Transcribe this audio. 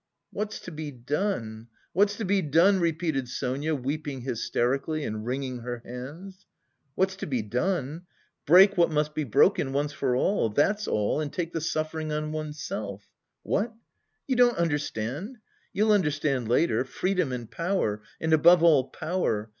"What's to be done, what's to be done?" repeated Sonia, weeping hysterically and wringing her hands. "What's to be done? Break what must be broken, once for all, that's all, and take the suffering on oneself. What, you don't understand? You'll understand later.... Freedom and power, and above all, power!